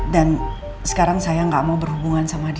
dan sekarang saya nggak mau berhubungan sama dia